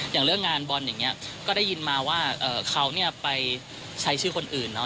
อย่างเรื่องงานบอลอย่างนี้ก็ได้ยินมาว่าเขาไปใช้ชื่อคนอื่นเนาะ